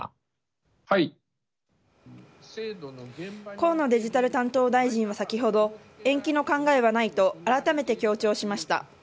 河野デジタル担当大臣は先ほど延期の考えはないとあらためて強調しました。